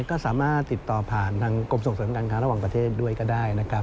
ก็สามารถติดต่อผ่านทางกรมส่งเสริมการค้าระหว่างประเทศด้วยก็ได้นะครับ